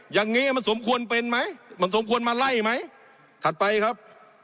อย่างนี้มันสมควรเป็นไหมมันสมควรมาไล่ไหมถัดไปครับ